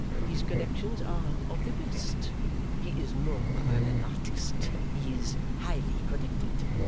'His connections are of the best. He is more than an artist: he is highly connected.